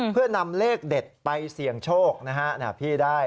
เพื่อนำเลขเด็ดไปเสี่ยงโชคนะฮะพี่ได้